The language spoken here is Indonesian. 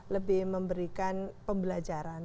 lebih memberikan pembelajaran